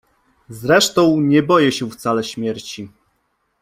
Zresztą nie boję się wcale śmierci.